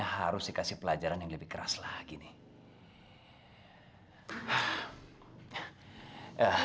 harus dikasih pelajaran yang lebih keras lagi nih